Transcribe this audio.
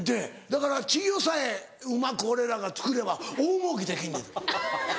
だから稚魚さえうまく俺らがつくれば大もうけできんねん。